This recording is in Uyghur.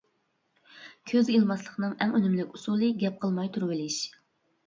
كۆزگە ئىلماسلىقنىڭ ئەڭ ئۈنۈملۈك ئۇسۇلى گەپ قىلماي تۇرۇۋېلىش.